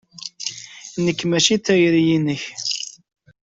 Nekk mačči d tayri-inek.